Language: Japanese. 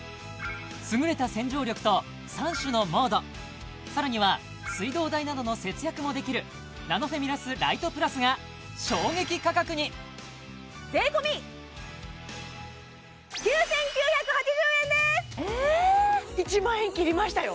優れた洗浄力と３種のモードさらには水道代などの節約もできるナノフェミラスライトプラスが衝撃価格に税込えっ１万円切りましたよ